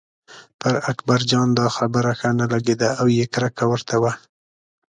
پر اکبرجان دا خبره ښه نه لګېده او یې کرکه ورته وه.